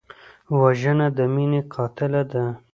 وژنه د مینې قاتله ده